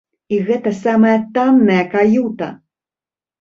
І гэта самая танная каюта!